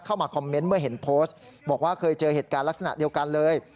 เข้ามาคอมเมนต์เมื่อเห็นโพสต์บอกว่าเคยเจอเหตุการณ์ลักษณะเดียวกันเลย